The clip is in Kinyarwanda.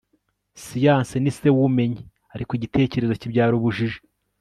siyanse ni se w'ubumenyi, ariko igitekerezo kibyara ubujiji